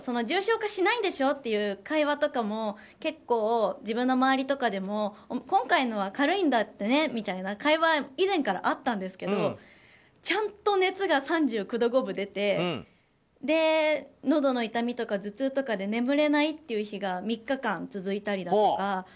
重症化しないんでしょっていう会話とかも結構、自分の周りとかでも今回のは軽いんだってねって会話は以前からあったんですけどちゃんと熱が３９度５分出てのどの痛みとか頭痛とかで眠れない日が３日間、続いたりだとか。